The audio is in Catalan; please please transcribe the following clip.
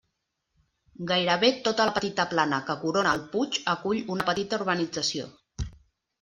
Gairebé tota la petita plana que corona el puig acull una petita urbanització.